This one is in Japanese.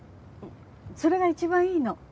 それが一番いいの。